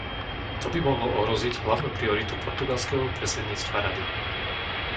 To by mohlo ohroziť hlavnú prioritu portugalského predsedníctva Rady.